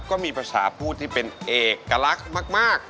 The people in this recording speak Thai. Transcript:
ก็มีประชาพูดที่เป็นเอกลักษณ์มาก